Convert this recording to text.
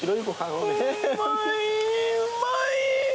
うまい。